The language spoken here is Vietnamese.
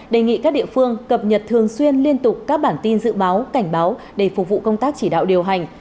đề nghị các địa phương cập nhật thường xuyên liên tục các bản tin dự báo cảnh báo để phục vụ công tác chỉ đạo điều hành